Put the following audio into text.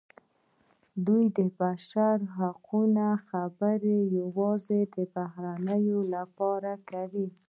دوی د بشري حقونو خبرې یوازې د بهرنیانو لپاره کوي.